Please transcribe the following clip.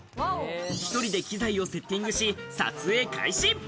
１人で機材をセッティングし、撮影開始。